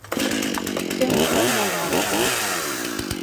Té un preu molt alt.